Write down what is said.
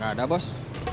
gak ada bos